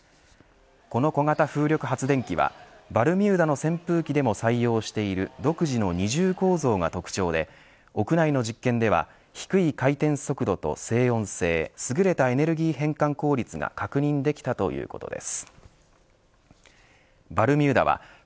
この小型風力発電機はバルミューダの扇風機でも採用している独自の二重構造が特徴で屋内の実験では低い回転速度と静音性すぐれたエネルギー変換効率が確認できたということです。